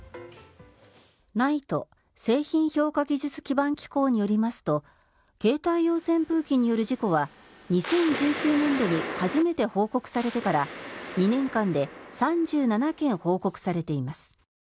ＮＩＴＥ・製品評価技術基盤機構によりますと携帯用扇風機による事故は２０１９年度に初めて報告されてから２年間で３７件報告されています。